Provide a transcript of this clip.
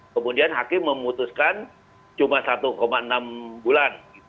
kemudian hakim memutuskan cuma satu enam bulan